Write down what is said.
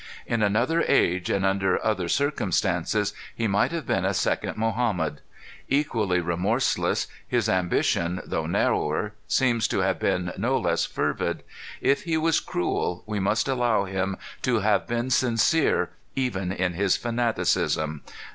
In another age, and under other circumstances, he might have been a second Mohammed. Equally remorseless, his ambition, though narrower, seems to have been no less fervid. If he was cruel, we must allow him to have been sincere even in his fanaticism.